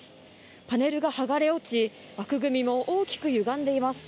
パネルが剥がれ落ち枠組みも大きくゆがんでいます。